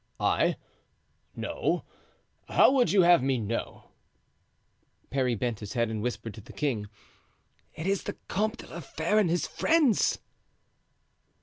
"I? No; how would you have me know?" Parry bent his head and whispered to the king: "It is the Comte de la Fere and his friends."